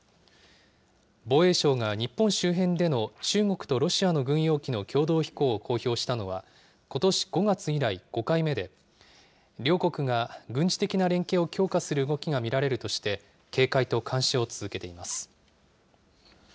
防衛省が日本周辺での中国とロシアの軍用機の共同飛行を公表したのは、ことし５月以来５回目で、両国が軍事的な連携を強化する動きが見られるとして、警戒と監視を続けています。